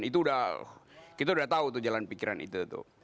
dan itu sudah kita sudah tahu jalan pikiran itu